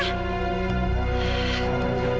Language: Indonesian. udah dong jangan ribut ya